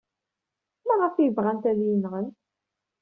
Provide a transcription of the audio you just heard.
Maɣef ay bɣant ad iyi-nɣent?